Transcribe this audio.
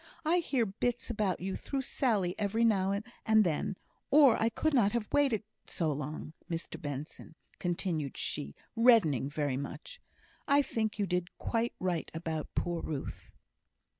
I hear bits about you through Sally every now and then, or I could not have waited so long. Mr Benson," continued she, reddening very much, "I think you did quite right about poor Ruth."